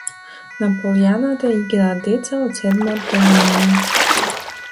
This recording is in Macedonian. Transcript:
На полјанката играат децата од седмо одделение.